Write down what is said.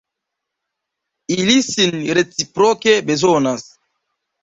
Ili sin reciproke bezonas.